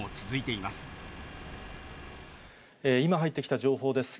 今入ってきた情報です。